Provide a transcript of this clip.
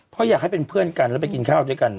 เพราะอยากให้เป็นเพื่อนกันแล้วไปกินข้าวด้วยกัน